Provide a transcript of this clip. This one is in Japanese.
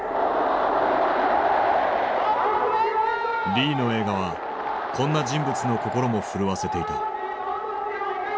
リーの映画はこんな人物の心も震わせていた。